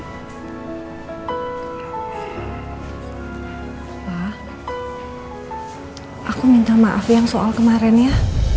aku minta maaf yang soal kemarin ya